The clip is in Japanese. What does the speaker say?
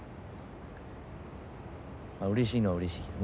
まあうれしいのはうれしいけどね。